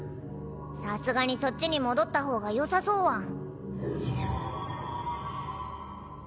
さすがにそっちに戻った方がよさそうワン。